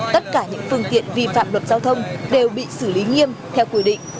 tất cả những phương tiện vi phạm luật giao thông đều bị xử lý nghiêm theo quy định